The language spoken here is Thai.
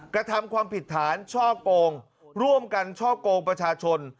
กระทำความผิดฐานช่อกงร่วมกันช่อกงประชาชน